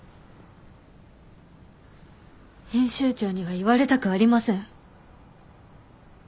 編集長には言われたくありません。